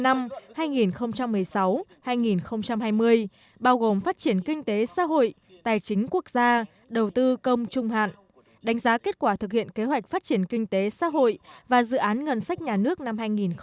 năm hai nghìn một mươi sáu hai nghìn hai mươi bao gồm phát triển kinh tế xã hội tài chính quốc gia đầu tư công trung hạn đánh giá kết quả thực hiện kế hoạch phát triển kinh tế xã hội và dự án ngân sách nhà nước năm hai nghìn một mươi tám